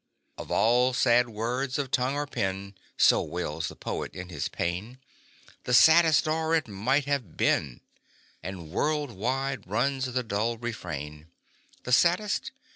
"Of all sad words of tongue or pen" So wails the poet in his pain The saddest are, "It might have been," And world wide runs the dull refrain. The saddest?